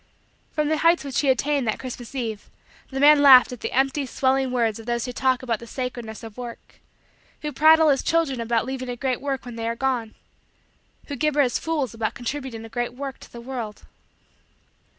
From the heights which he attained that Christmas eve, the man laughed at the empty, swelling, words of those who talk about the sacredness of work who prattle as children about leaving a great work when they are gone who gibber as fools about contributing a great work to the world.